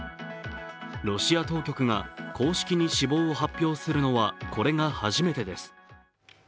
ロシア当局が公式に死亡を発表するのはこれが初めてです。